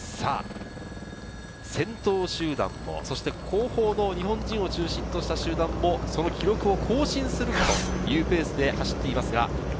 先頭集団を後方の日本人を中心とした集団もその記録を更新するというペースで走っています。